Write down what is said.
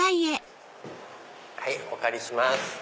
お借りします。